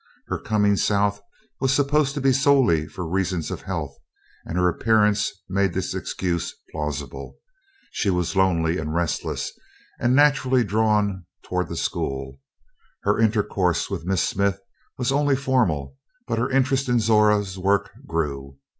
Her coming South was supposed to be solely for reasons of health, and her appearance made this excuse plausible. She was lonely and restless, and naturally drawn toward the school. Her intercourse with Miss Smith was only formal, but her interest in Zora's work grew.